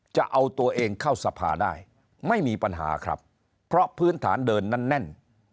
จะเอาตัวเองเข้าสภาได้ไม่มีปัญหาครับเพราะพื้นฐานเดินนั้นแน่น